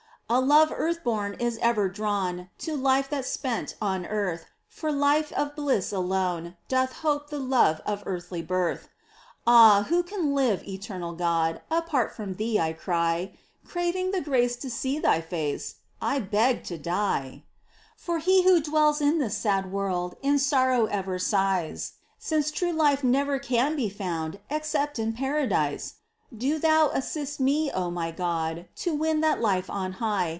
A love earth born is ever drawn To life that's spent on earth — For life of bliss alone, doth hope The love of heavenly birth ! Ah, who can live, eternal God, Apart from Thee, I cry ! Craving the grace to see Thy face, I beg to die ! For he who dwells in this sad world In sorrow ever sighs, Since true life never can be found Except in Paradise ! Do Thou assist me, my God, To win that life on high.